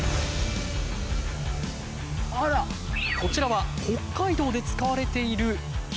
こちらは北海道で使われている